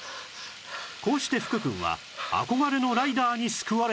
こうして福くんは憧れのライダーに救われた